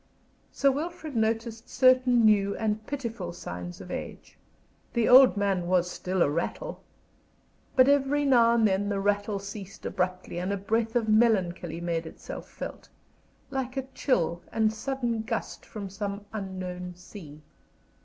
Sir Wilfrid noticed certain new and pitiful signs of age. The old man was still a rattle. But every now and then the rattle ceased abruptly and a breath of melancholy made itself felt like a chill and sudden gust from some unknown sea.